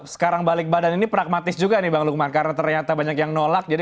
sekarang balik badan ini pragmatis juga nih bang lukman karena ternyata banyak yang nolak jadi